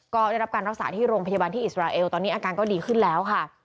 ก็ได้รับการรักษาที่โรงพยาบาลที่อิสราเอลตอนนี้อาการก็ดีขึ้นแล้วค่ะ